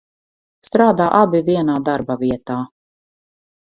Strādā abi vienā darba vietā